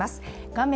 画面